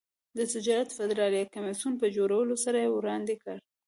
د تجارت فدرالي کمېسیون په جوړولو سره یې وړاندې کړ.